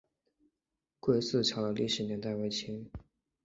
归驷桥的历史年代为清。